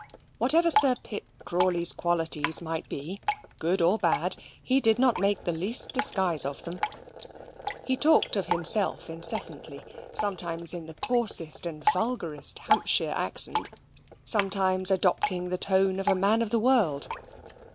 Whatever Sir Pitt Crawley's qualities might be, good or bad, he did not make the least disguise of them. He talked of himself incessantly, sometimes in the coarsest and vulgarest Hampshire accent; sometimes adopting the tone of a man of the world.